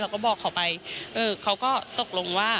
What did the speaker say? ก็บอกเขาไปเขาก็ตกลงว่า